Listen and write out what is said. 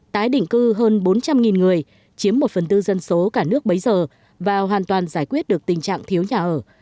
tái định cư hơn bốn trăm linh người chiếm một phần tư dân số cả nước bấy giờ và hoàn toàn giải quyết được tình trạng thiếu nhà ở